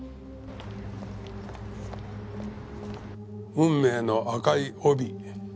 『運命の紅い帯』。